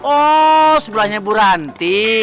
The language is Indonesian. ohh sebelahnya buranti